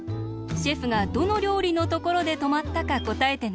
シェフがどのりょうりのところでとまったかこたえてね。